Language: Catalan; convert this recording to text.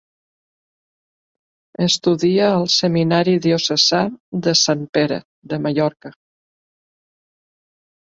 Estudia al Seminari diocesà de Sant Pere, de Mallorca.